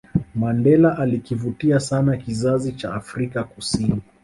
mandela alikivutia sana kizazi cha afrika kusini